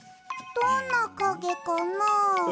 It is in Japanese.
どんなかげかな？